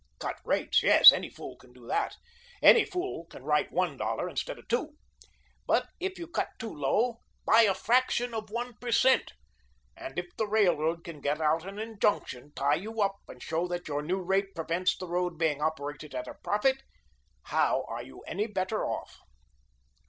Cut rates; yes, any fool can do that; any fool can write one dollar instead of two, but if you cut too low by a fraction of one per cent. and if the railroad can get out an injunction, tie you up and show that your new rate prevents the road being operated at a profit, how are you any better off?"